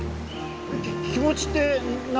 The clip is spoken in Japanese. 気持ちって何？